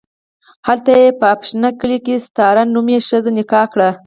هلته یې په افشنه کلي کې ستاره نومې ښځه نکاح کړه.